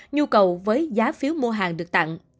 nhu cầu với giá phiếu mua hàng được tặng